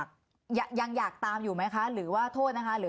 ผมก็อยากรู้สาวเขาเป็นใคร